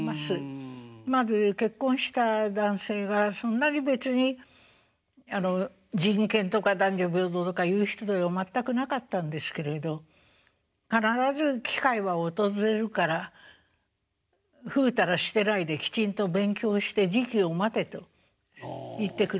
まず結婚した男性がそんなに別に人権とか男女平等とか言う人では全くなかったんですけれど「必ず機会は訪れるからふうたらしてないできちんと勉強して時機を待て」と言ってくれました。